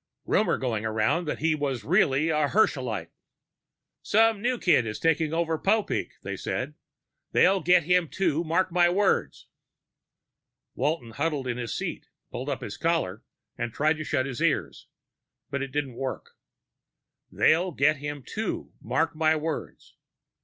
"Rumor going around he was really a Herschelite...." "Some new kid is taking over Popeek, they say. They'll get him too, mark my words." Walton, huddling in his seat, pulled up his collar, and tried to shut his ears. It didn't work. _They'll get him too, mark my words.